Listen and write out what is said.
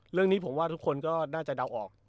เรื่องนี้ผมว่าทุกคนก็น่าจะเดาออก